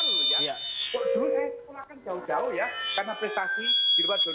dulu sekolah kan jauh jauh ya karena prestasi di luar donasi